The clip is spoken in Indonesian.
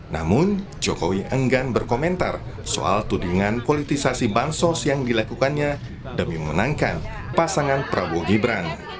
namun jokowi enggan berkomentar soal tudingan politisasi bansos yang dilakukannya demi memenangkan pasangan prabowo gibran